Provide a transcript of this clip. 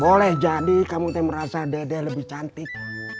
boleh jadi kamu merasa dedeh lebih cantik